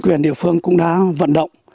quyền địa phương cũng đã vận động